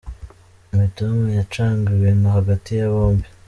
Imitoma yacaga ibintu hagati ya bombi.